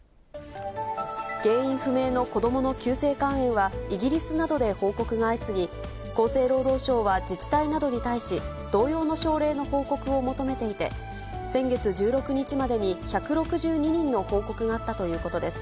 原因不明の子どもの急性肝炎はイギリスなどで報告が相次ぎ、厚生労働省は自治体などに対し、同様の症例の報告を求めていて、先月１６日までに１６２人の報告があったということです。